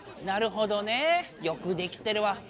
なるほどねよくできてるわ。